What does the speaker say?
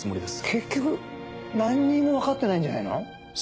結局何にも分かってないんじゃないの？